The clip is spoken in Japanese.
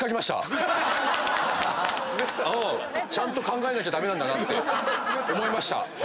ちゃんと考えなきゃ駄目なんだなって思いました。